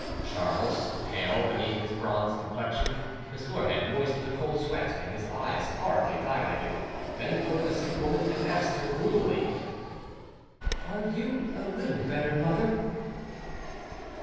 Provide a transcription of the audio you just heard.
Charles, pale beneath his bronzed complexion, his forehead moist with a cold sweat, and his eyes horribly dilated, bent over the sick woman and asked her gloomily— "Are you a little better, mother?"